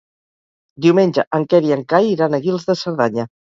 Diumenge en Quer i en Cai iran a Guils de Cerdanya.